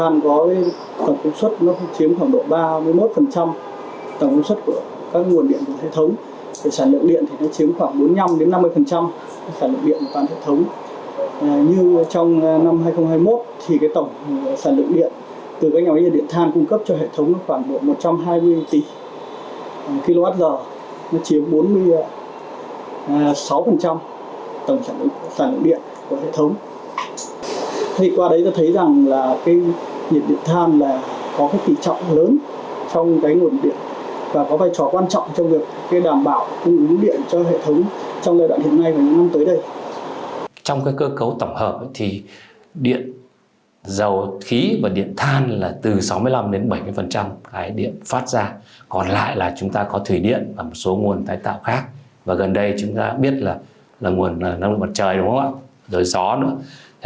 nhiệt điện than đóng góp vai trò quan trọng vào nguồn năng lượng quốc gia chiếm khoảng ba mươi một sáu tổng công suất và chiếm khoảng bốn mươi năm tổng công suất và chiếm khoảng bốn mươi năm tổng công suất